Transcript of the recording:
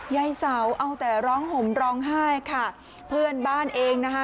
ยายเสาเอาแต่ร้องห่มร้องไห้ค่ะเพื่อนบ้านเองนะคะ